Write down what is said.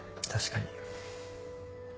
確かに。